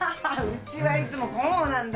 うちはいつもこうなんだよ。